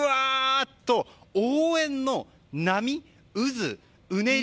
っと応援の波、渦、うねり